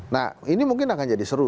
nah ini mungkin akan jadi seru